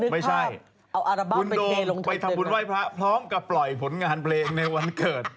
ไม่ใช่คุณโดมลงไปทำบุญไหว้พระพร้อมกับปล่อยผลงานเพลงในวันเกิด